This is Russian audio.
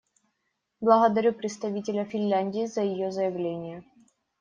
Благодарю представителя Финляндии за ее заявление.